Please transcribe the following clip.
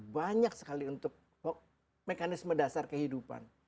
banyak sekali untuk mekanisme dasar kehidupan